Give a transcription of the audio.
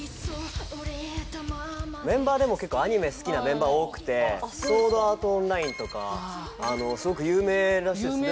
メンバーでも結構アニメ好きなメンバー多くて「ソードアート・オンライン」とかすごく有名らしいですね。